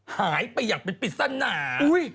หายไปอย่างเป็นปริศนา